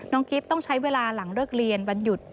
กิ๊บต้องใช้เวลาหลังเลิกเรียนวันหยุด